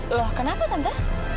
loh kenapa tante